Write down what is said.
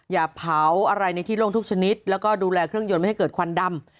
อย่าเผาอะไรในที่โล่งทุกชนิดแล้วก็ดูแลเครื่องยนต์ไม่ให้เกิดควันดำ